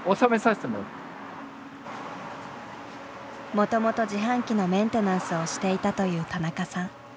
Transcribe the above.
もともと自販機のメンテナンスをしていたという田中さん。